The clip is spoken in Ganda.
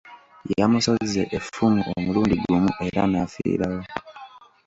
Yamusozze effumu omulundi gumu era n'afiirawo.